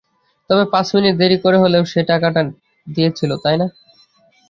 তবে পাঁচমিনিট দেরি করে হলেও সে টাকাটা দিয়েছিল, তাই না?